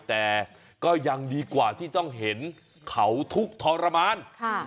แต่ก็ยังดีกว่าที่ต้องเห็นเขาทุกข์ทรมาน